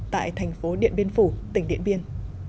tại thành phố điện biên phủ tỉnh điện biên